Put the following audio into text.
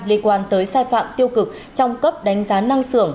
liên quan tới sai phạm tiêu cực trong cấp đánh giá năng sưởng